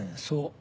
そう。